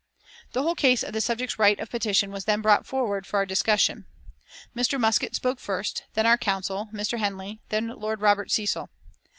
The whole case of the subject's right of petition was then brought forward for discussion. Mr. Muskett spoke first, then our council, Mr. Henle, then Lord Robert Cecil.